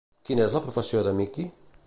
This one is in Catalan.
Quina és la professió de Mickey?